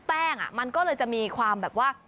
แป้งมันก็เลยจะมีความแบบว่า